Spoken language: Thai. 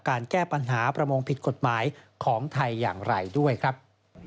แก้ปัญหาประมงผิดกฎหมายของไทยอย่างไรด้วยครับ